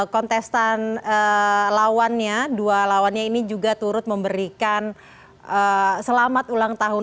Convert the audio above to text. kontestan lawannya dua lawannya ini juga turut memberikan selamat ulang tahun